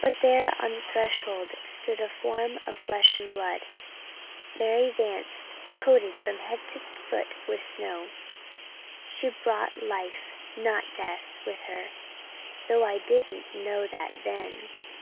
But there on the threshold stood a form of flesh and blood Mary Vance, coated from head to foot with snow and she brought Life, not Death, with her, though I didn't know that then.